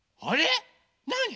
なに？